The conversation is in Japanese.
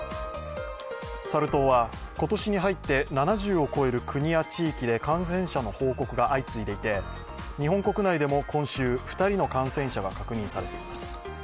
サル痘は今年に入って７０を超える国や地域で感染者の報告が相次いでいて日本国内でも今週、２人の感染者が確認されています。